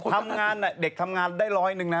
ทำงานเด็กทำงานได้ร้อยหนึ่งนะ